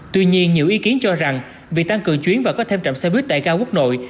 tuy nhiên nhiều ý kiến cho rằng việc tăng cường chuyến và có thêm trạm xe buýt tại cao quốc nội